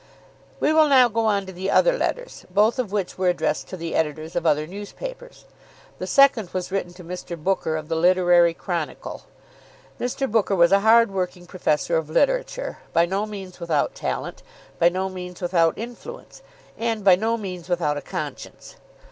We will now go on to the other letters, both of which were addressed to the editors of other newspapers. The second was written to Mr. Booker, of the "Literary Chronicle." Mr. Booker was a hard working professor of literature, by no means without talent, by no means without influence, and by no means without a conscience.